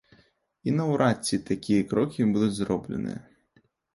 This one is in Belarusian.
І наўрад ці такія крокі будуць зробленыя.